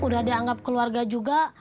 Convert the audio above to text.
udah dianggap keluarga juga